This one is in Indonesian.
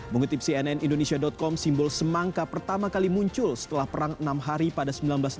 mengutip cnn indonesia com simbol semangka pertama kali muncul setelah perang enam hari pada seribu sembilan ratus enam puluh